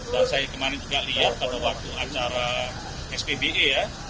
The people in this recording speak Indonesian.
dan saya kemarin juga lihat pada waktu acara spbe ya